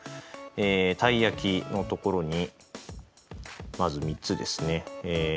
たい焼きの所にまず３つですね。